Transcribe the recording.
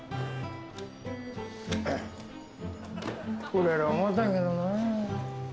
売れる思たんけどなぁ。